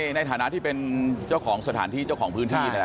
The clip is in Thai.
ในฐานะที่เป็นเจ้าของสถานที่เจ้าของพื้นที่นั่นแหละ